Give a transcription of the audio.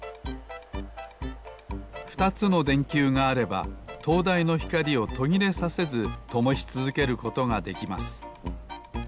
２つのでんきゅうがあればとうだいのひかりをとぎれさせずともしつづけることができます。